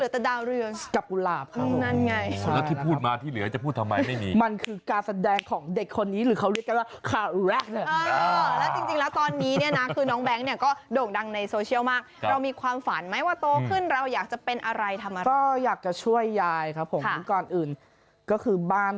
แต่สุดท้ายก็เหลือแต่ดาวเรืองกับกุลาบเข่างั้นไงส่วนแล้วที่พูดมาขึ้น